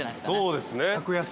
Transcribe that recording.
そうですね。